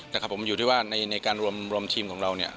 แต่อยู่ที่ว่าในการรวมทีมของเรา